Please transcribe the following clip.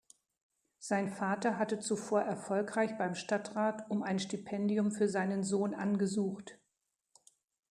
Sein Vater hatte zuvor erfolgreich beim Stadtrat um ein Stipendium für seinen Sohn angesucht.